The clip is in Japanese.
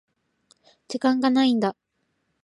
時間がないんだ。